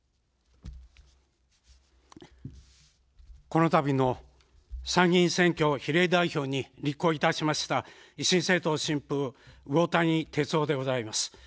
この度の参議院選挙比例代表に立候補いたしました維新政党・新風、魚谷哲央でございます。